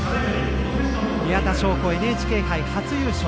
宮田笙子、ＮＨＫ杯初優勝。